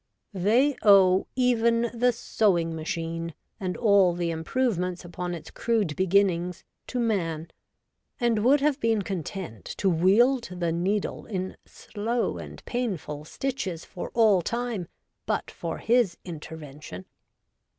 They owe even the sewing machine, and all the improvements upon its crude beginnings, to man, and would have been content to wield the needle in slow and painful stitches for all time but for his intervention.